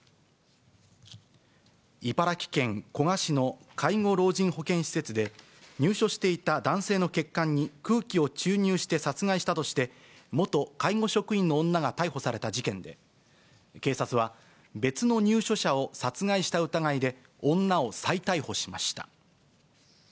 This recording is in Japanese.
茨城県古河市の介護老人保健施設で、入所していた男性の血管に空気を注入して殺害したとして、元介護職員の女が逮捕された事件で、警察は、別の入所者を殺害した疑いで女を再逮捕しました。